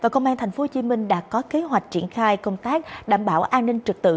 công an tp hcm đã có kế hoạch triển khai công tác đảm bảo an ninh trực tự